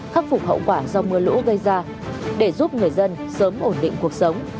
khắc phục hậu quả do mưa lũ gây ra để giúp người dân sớm ổn định cuộc sống